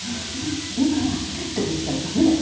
今はとか言ってたらダメだよ。